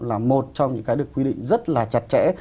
là một trong những cái được quy định rất là chặt chẽ